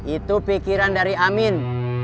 itu pikiran dari amin